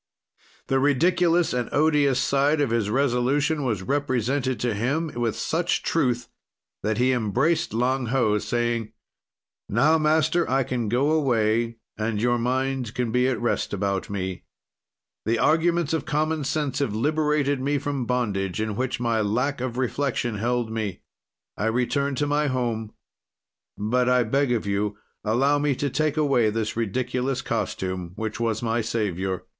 "The ridiculous and odious side of his resolution was represented to him with such truth that he embraced Lang Ho, saying: "'Now, Master, I can go away, and your mind can be at rest about me. "'The arguments of common sense have liberated me from bondage in which my lack of reflection held me. "'I return to my home, but, I beg of you, allow me to take away this ridiculous costume which was my savior.